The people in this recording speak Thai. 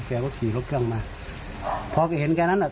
แกก็ขี่รถเครื่องมาพอแกเห็นแกนั้นอ่ะ